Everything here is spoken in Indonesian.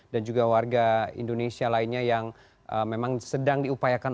dan juga warga indonesia lainnya yang memang sedang diupayakan